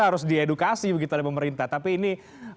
harus diedukasi begitu oleh pemerintah tapi ini